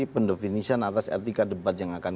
pendefinisian atas etika debat yang akan